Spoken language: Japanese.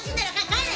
帰れ！